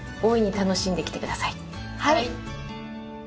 はい！